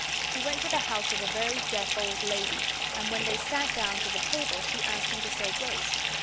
He went to the house of a very deaf old lady and when they sat down to the table she asked him to say grace.